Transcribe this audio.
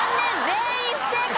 全員不正解。